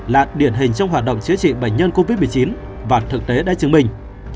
là điển hình trong hoạt động chữa trị bệnh nhân covid một mươi chín và thực tế đã chứng minh